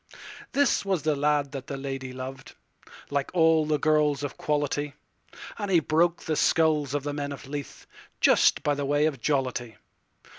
This was the lad the lady lov'd, Like all the girls of quality; And he broke the skulls of the men of Leith, Just by the way of jollity.